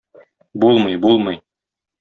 Булмый, булмый!